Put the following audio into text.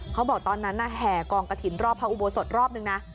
เขาบอกตอนนั้นแห่กองกระถิ่นรอบพระอุโบสถรอบนึงนะ